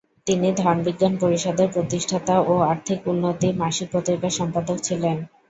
তিনি ধনবিজ্ঞান পরিষদের প্রতিষ্ঠাতা ও 'আর্থিক উন্নতি' মাসিক পত্রিকার সম্পাদক ছিলেন।